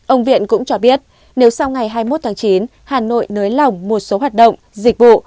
ông viện cũng cho biết nếu sau ngày hai mươi một tháng chín hà nội nới lỏng một số hoạt động dịch vụ